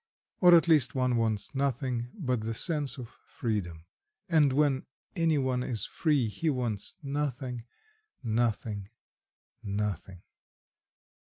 Or at least one wants nothing but the sense of freedom, for when anyone is free, he wants nothing, nothing, nothing.